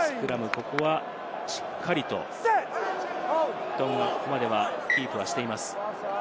ここはしっかりとトンガ、ここまではキープしています。